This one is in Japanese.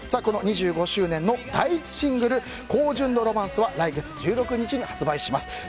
この２５周年の第１シングル「高純度ｒｏｍａｎｃｅ」は来月１６日に発売します。